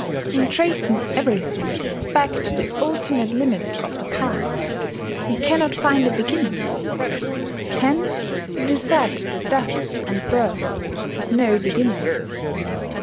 In tracing every thing back to the ultimate limits of the past, we cannot find a beginning: hence it is said that death and birth have no beginning.